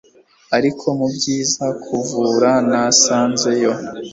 Ariko mubyiza kuvura nasanzeyo